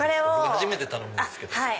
初めて頼むんですけど。